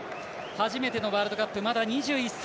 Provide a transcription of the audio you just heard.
初めてのワールドカップまだ２１歳。